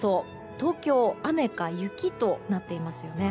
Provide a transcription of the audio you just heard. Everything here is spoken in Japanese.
東京雨か雪となっていますよね。